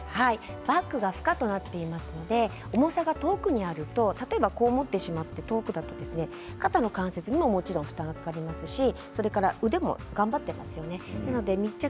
バッグが負荷になっていますので重さが遠くにあると肩の関節にも、もちろん負担がかかりますし腕も頑張っていますよね